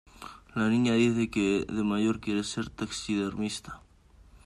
La niña dice que de mayor quiere ser taxidermista.